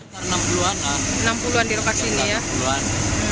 tapi warga semuanya setuju kan